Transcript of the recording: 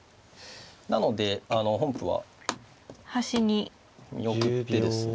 なので本譜は見送ってですね